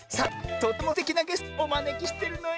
とってもすてきなゲストおまねきしてるのよ。